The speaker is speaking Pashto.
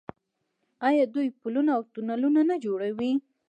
آیا دوی پلونه او تونلونه نه جوړوي؟